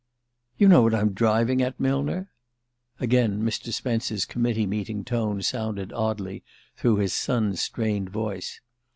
"You know what I'm driving at, Millner." Again Mr. Spence's committee meeting tone sounded oddly through his son's strained voice.